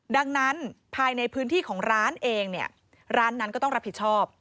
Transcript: ดังนั้นภายในพื้นที่ของร้านเองเนี่ยร้านนั้นก็ต้องรับผิดชอบ